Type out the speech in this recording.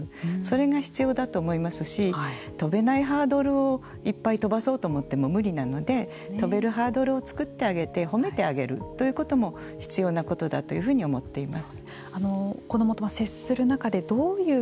それが必要だと思いますし跳べないハードルをいっぱい跳ばそうと思っても無理なので跳べるハードを作ってあげて褒めてあげるということも必要なことと思っています。